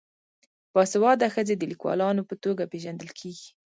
باسواده ښځې د لیکوالانو په توګه پیژندل کیږي.